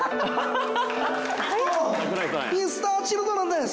どうもＭｒ．Ｃｈｉｌｄｒｅｎです